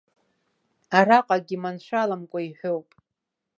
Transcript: Араҟагь иманшәаламкәа иҳәоуп.